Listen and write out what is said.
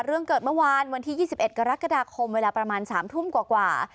เรื่องเกิดเมื่อวานวันที่๒๑กรกฎาคมเวลาประมาณ๓ทุ่มกว่า